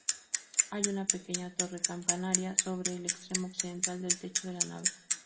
Hay una pequeña torre-campanario sobre el extremo occidental del techo de la nave.